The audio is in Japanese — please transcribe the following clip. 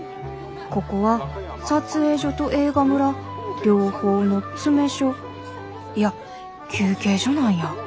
ここは撮影所と映画村両方の詰め所いや休憩所なんや。